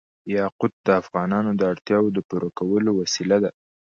یاقوت د افغانانو د اړتیاوو د پوره کولو وسیله ده.